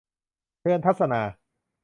เชิญทัศนา